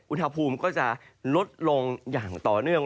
อุณหภูมิก็จะลดลงอย่างต่อเนื่อง